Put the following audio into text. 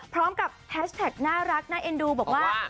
พร้อมกับแฮชแท็กน่ารักน่าเอ็นดูบอกว่า